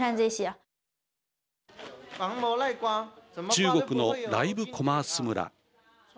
中国のライブコマース村。